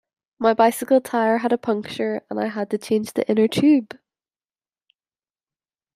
My bicycle tyre had a puncture, and I had to change the inner tube